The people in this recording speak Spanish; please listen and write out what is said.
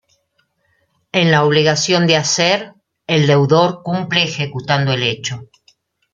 En la obligación de hacer, el deudor cumple ejecutando el hecho.